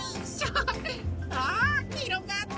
あひろがった。